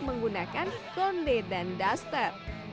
menggunakan kondi dan duster